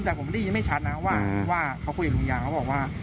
แต่ผมได้ยินไม่ชัดนะว่าเขาคุยกับลุงยางเขาบอกว่า